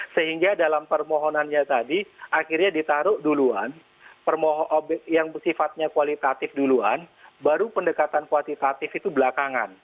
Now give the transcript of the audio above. sehingga dalam permohonannya tadi akhirnya ditaruh duluan yang sifatnya kualitatif duluan baru pendekatan kualitatif itu belakangan